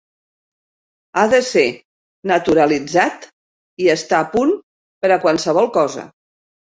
Ha de ser naturalitzat i està a punt per a qualsevol cosa.